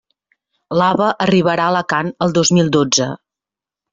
L'AVE arribarà a Alacant el dos mil dotze.